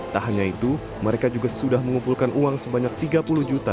tak hanya itu mereka juga sudah mengumpulkan uang sebanyak tiga puluh juta